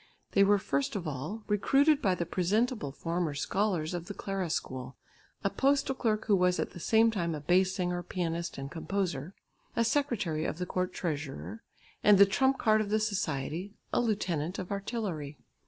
They were first of all recruited by the presentable former scholars of the Clara School, a postal clerk who was at the same time a bass singer, pianist and composer; a secretary of the Court treasurer; and the trump card of the society, a lieutenant of artillery.